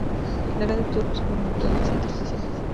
La red obtuvo su forma actual de siete estaciones.